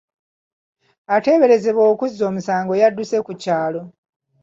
Ateeberezebwa okuzza omusango yadduse ku kyalo.